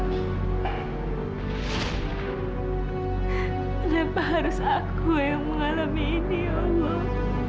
kenapa harus aku yang mengalami ini ya allah